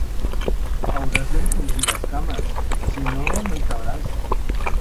Hauràs d'encongir les cames, si no, no hi cabràs!